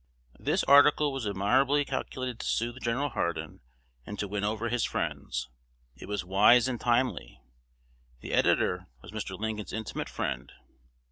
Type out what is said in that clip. This article was admirably calculated to soothe Gen. Hardin, and to win over his friends. It was wise and timely. The editor was Mr. Lincoln's intimate friend.